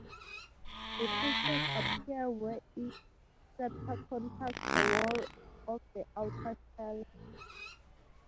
The sutures appear where each septa contacts the wall of the outer shell.